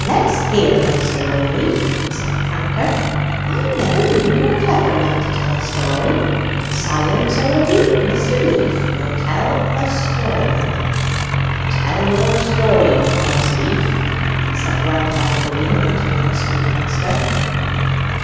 "Let's hear thy story, Leaf," said the tranter. "I never knew you were clever enough to tell a story. Silence, all of ye! Mr. Leaf will tell a story." "Tell your story, Thomas Leaf," said grandfather William in the tone of a schoolmaster.